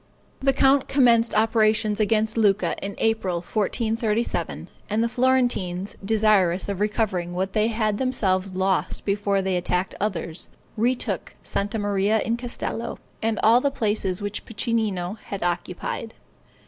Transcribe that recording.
The count commenced operations against Lucca in April, 1437, and the Florentines, desirous of recovering what they had themselves lost before they attacked others, retook Santa Maria in Castello, and all the places which Piccinino had occupied.